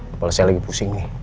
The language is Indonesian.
kepala saya lagi pusing nih